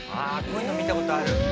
こういうの見た事ある。